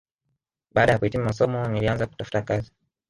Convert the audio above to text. Baada ya kuhitimu masomo nilianza kutafuta kazi